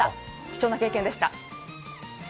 貴重な経験でした。